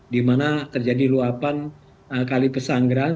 di mana terjadi luapan kali pesanggeran